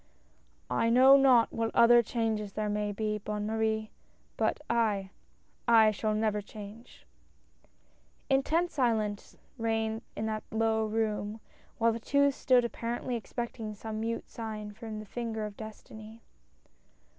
"I know not what other changes there may be, Bonne Marie — but I — I shall never change !" Intense silence reigned in that low room, while the two stood apparently expecting some mute sign from the finger of Destiny.